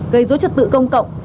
gây rối trật tự công cộng